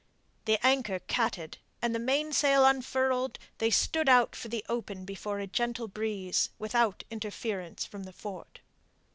The anchor catted, and the mainsail unfurled, they stood out for the open before a gentle breeze, without interference from the fort.